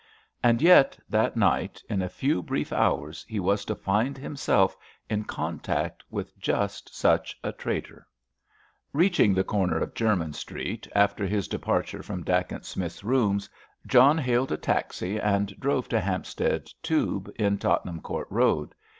And yet that night, in a few brief hours, he was to find himself in contact with just such a traitor. Reaching the corner of Jermyn Street, after his departure from Dacent Smith's rooms, John hailed a taxi and drove to Hampstead Tube at Tottenham Court Road.